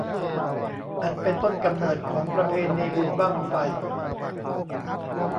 อันเป็นต้นกำเนิดของประเพณีบุญบั้งไฟ